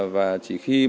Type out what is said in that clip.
và chỉ khi